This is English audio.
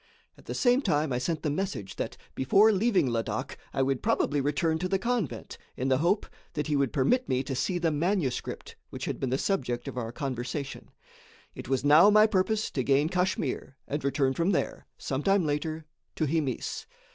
At the same time I sent the message that before leaving Ladak I would probably return to the convent, in the hope that he would permit me to see the manuscript which had been the subject of our conversation. It was now my purpose to gain Kachmyr and return from there, some time later, to Himis.